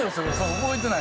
覚えてない。